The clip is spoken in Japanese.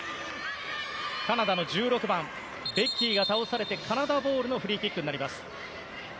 カナダの１６番、ベッキーが倒されてカナダボールのフリーキックになります。